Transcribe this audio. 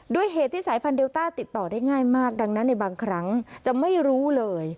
ด้วยเหตุที่สายพันธุเดลต้าติดต่อได้ง่ายมากดังนั้นในบางครั้งจะไม่รู้เลย